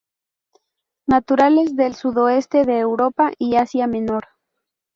Naturales del sudoeste de Europa y Asia Menor.